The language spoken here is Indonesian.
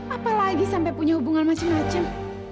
apalagi sampai punya hubungan macem macem